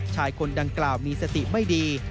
ชายคนดังกล่าวมีสติไม่ดี